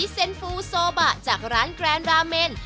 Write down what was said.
เซ็นฟูโซบะจากร้านแกรนราเมน